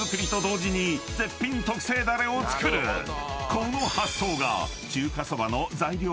［この発想が］